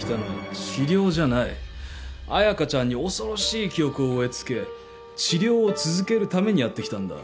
綾香ちゃんに恐ろしい記憶を植え付け治療を続けるためにやってきたんだ。